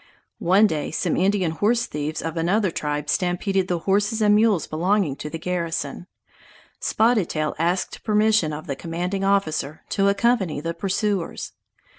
One day some Indian horse thieves of another tribe stampeded the horses and mules belonging to the garrison. Spotted Tail asked permission of the commanding officer to accompany the pursuers.